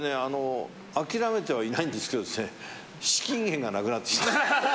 諦めてはいないんですけどね資金源がなくなってきた。